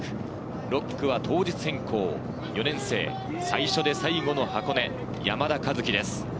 ６区は当日変更、４年生、最初で最後の箱根、山田一輝です。